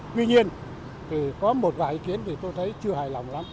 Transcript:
tuy nhiên thì có một vài ý kiến thì tôi thấy chưa hài lòng lắm